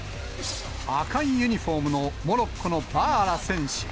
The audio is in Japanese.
赤いユニホームのモロッコのバアラ選手。